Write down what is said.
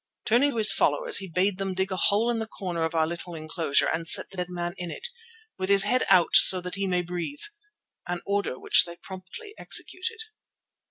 Turning to his followers, he bade them dig a hole in the corner of our little enclosure and set the dead man in it, "with his head out so that he may breathe," an order which they promptly executed.